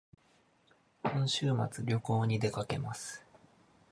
今週末旅行に出かけます